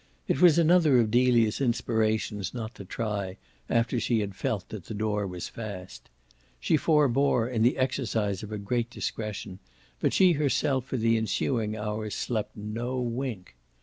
It was another of Delia's inspirations not to try, after she had felt that the door was fast. She forbore, in the exercise of a great discretion, but she herself for the ensuing hours slept no wink.